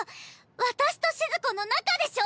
私としず子の仲でしょ